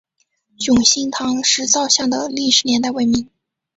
永兴堂石造像的历史年代为明。